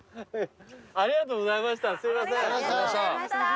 ありがとうございましたすいません。